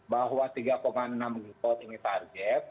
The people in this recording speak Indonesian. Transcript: bahwa tiga enam gv ini target